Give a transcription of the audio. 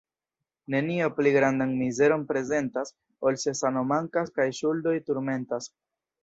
Nenio pli grandan mizeron prezentas, ol se sano mankas kaj ŝuldoj turmentas.